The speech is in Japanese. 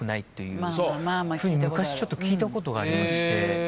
昔ちょっと聞いたことがありまして。